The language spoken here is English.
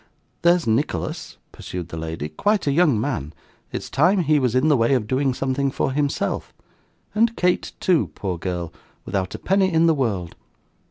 'There's Nicholas,' pursued the lady, 'quite a young man it's time he was in the way of doing something for himself; and Kate too, poor girl, without a penny in the world.